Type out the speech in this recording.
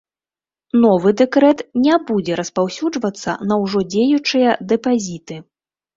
Новы дэкрэт не будзе распаўсюджвацца на ўжо дзеючыя дэпазіты.